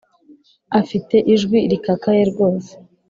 afite ijwi rikakaye rwose